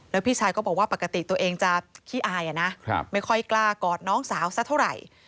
แล้วพี่ชายก็บอกว่าปกติตัวเองจะขี้อายนะไม่ค่อยกล้ากอดน้องสาวสักเท่าไหร่